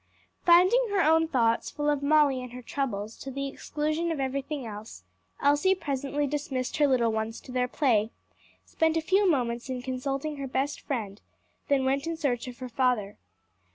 _ Finding her own thoughts full of Molly and her troubles to the exclusion of everything else, Elsie presently dismissed her little ones to their play, spent a few moments in consulting her best Friend, then went in search of her father.